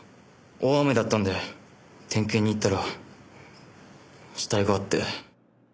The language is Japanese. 大雨だったんで点検に行ったら死体があって。